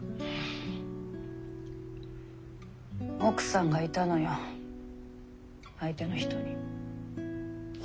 奥さんがいたのよ相手の人に。